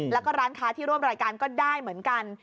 แล้วก็ร้านค้าที่ร่วมรายการก็ได้เหมือนกัน